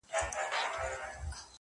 جواب يې راکړ د خپلوۍ خبره ورانه سوله،